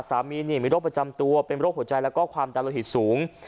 สามีมีโรคประจำตัวเป็นโรคหัวใจแล้วก็ความดันโลหิตสูง